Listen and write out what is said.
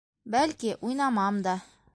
Бәлки, уйнамам да...